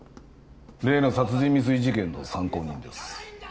例の殺人未遂事件の参考人です